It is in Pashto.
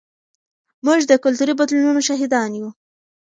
موږ د کلتوري بدلونونو شاهدان یو.